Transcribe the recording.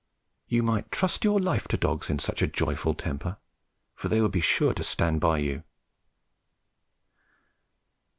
You might trust your life to dogs in such a joyful temper, for they would be sure to stand by you.